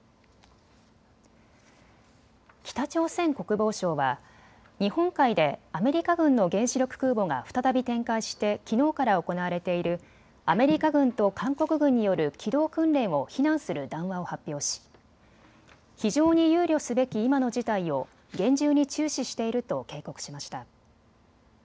北朝鮮国防省は日本海でアメリカ軍の原子力空母が再び展開してきのうから行われているアメリカ軍と韓国軍による機動訓練を非難する談話を発表し非常に憂慮すべき今の事態を厳重に注視していると警告しました。